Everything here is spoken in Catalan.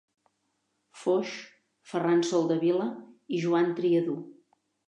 Foix, Ferran Soldevila i Joan Triadú.